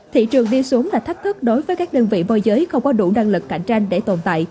thị trường đi xuống là thách thức đối với các đơn vị môi giới không có đủ năng lực cạnh tranh để tồn tại